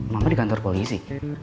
mama di kantor polisi